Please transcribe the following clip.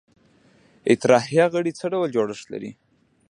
اطراحیه غړي څه ډول جوړښت لري؟